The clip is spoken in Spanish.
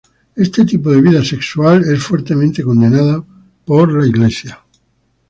Ese tipo de vida sexual es fuertemente condenado por la Iglesia.